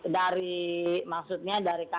dari maksudnya dari kata kata